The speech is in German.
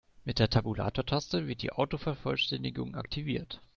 Mit der Tabulatortaste wird die Autovervollständigung aktiviert.